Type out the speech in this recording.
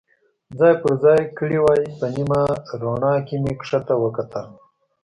ځای پر ځای کړي وای، په نیمه رڼا کې مې کښته ته وکتل.